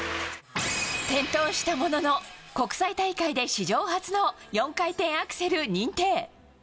転倒したものの、国際大会で史上初の４回転アクセル認定。